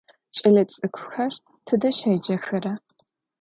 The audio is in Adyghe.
Кӏэлэцӏыкӏухэр тыдэ щеджэхэра?